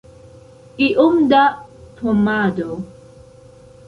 Iom da pomado?